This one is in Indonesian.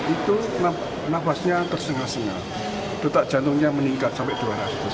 itu nafasnya tersengal sengal dotak jantungnya meningkat sampai dua ratus